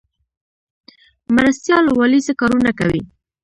مرستیال والي څه کارونه کوي؟